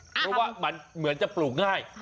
เพราะว่ามันเหมือนจะปลูกง่าย